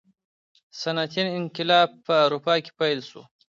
صنعتي انقلاب په اروپا کي پیل سو.